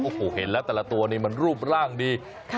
โอ้โหเห็นแล้วแต่ละตัวนี่มันรูปร่างดี